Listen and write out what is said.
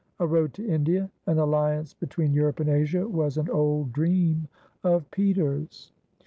(A road to India, an alliance between Europe and Asia, was an old dream of Peter's.)